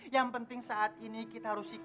yang penting saat ini kita harus ikut